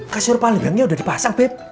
kasur palibangnya udah dipasang beb